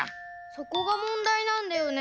そこがもんだいなんだよね。